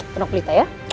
penuh kulitnya ya